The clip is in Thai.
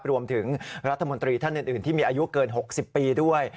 รวมถึงรัฐมนตรีท่านอื่นที่มีอายุเกิน๖๐ปีด้วย